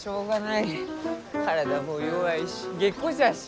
体も弱いし下戸じゃし。